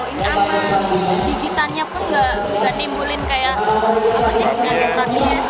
gigitannya pun nggak timbulin kayak apa sih